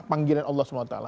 panggilan allah swt